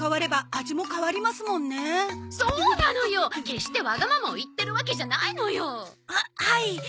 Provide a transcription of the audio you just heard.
決してわがままを言ってるわけじゃないのよ！ははい。